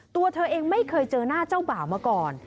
ตัวเธอเองไม่เคยเจอหน้าเจ้าบ่าวมาก่อน